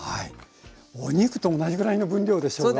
お肉と同じぐらいの分量でしょうが？